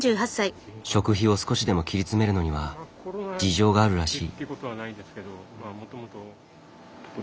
食費を少しでも切り詰めるのには事情があるらしい。